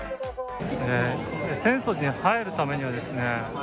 浅草寺に入るためにはですね。